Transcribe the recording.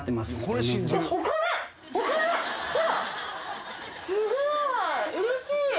すごい。